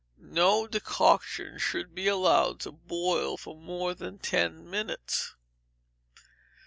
No decoction should be allowed to boil for more than ten minutes.